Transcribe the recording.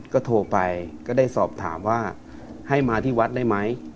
ก็โทรไปก็ได้สอบถามว่าให้มาที่วัดได้ไหม